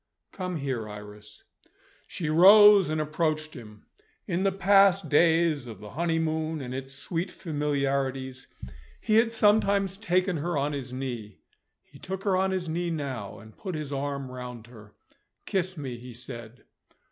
"Come here, Iris." She rose and approached him. In the past days of the honeymoon and its sweet familiarities, he had sometimes taken her on his knee. He took her on his knee now, and put his arm round her. "Kiss me," he said.